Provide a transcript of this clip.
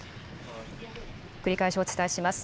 繰り返しお伝えします。